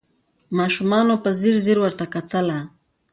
ماشومانو په ځیر ځیر ورته کتله